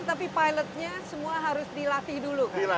tapi pilotnya semua harus dilatih dulu